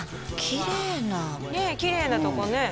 きれいなとこね